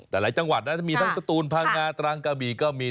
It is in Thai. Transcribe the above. แต่หลายจังหวัดนะมีทั้งสตูนพังงาตรังกะบีก็มี